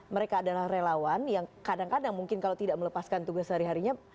mereka adalah relawan yang kadang kadang mungkin kalau tidak melepaskan tugas sehari harinya